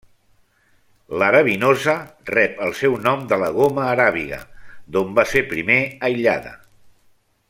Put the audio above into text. L'arabinosa rep el seu nom de la goma aràbiga, d'on va ser primer aïllada.